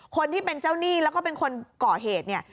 คนที่เป็นเจ้าหนี้แล้วก็เป็นคนก่อเหตุเนี่ย